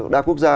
đa quốc gia